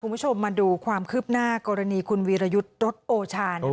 คุณผู้ชมมาดูความคืบหน้ากรณีคุณวีรยุทธ์รถโอชา